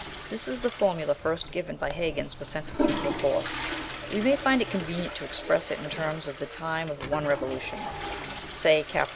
This is the formula first given by Huyghens for centrifugal force. We shall find it convenient to express it in terms of the time of one revolution, say T.